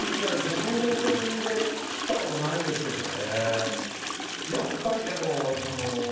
その目線で作ったことないですけどね。